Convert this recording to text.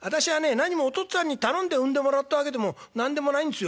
なにもお父っつぁんに頼んで生んでもらったわけでもなんでもないんですよ。